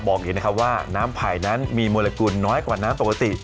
บอกอีกนะครับว่าน้ำไผ่นั้นมีมลกุลน้อยกว่าน้ำปกติ